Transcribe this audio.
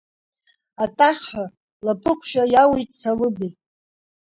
Атахҳәа лаԥықәшәа иауит Салыбеи.